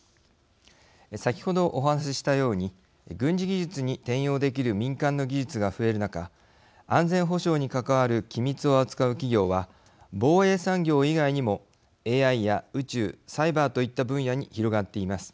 先ほどお話ししたように軍事技術に転用できる民間の技術が増える中安全保障に関わる機密を扱う企業は防衛産業以外にもＡＩや宇宙サイバーといった分野に広がっています。